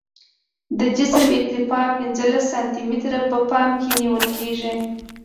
د جسم ارتفاع پنځلس سانتي متره په پام کې نیول کیږي